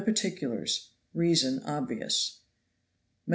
particulars: reason obvious. Mem.